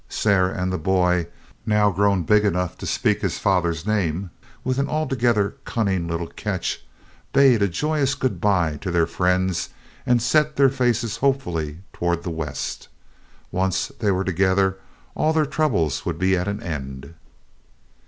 Sarah and the boy, now grown big enough to speak his father's name with an altogether cunning little catch, bade a joyous good by to their friends and set their faces hopefully toward the West. Once they were together, all their troubles would be at an end.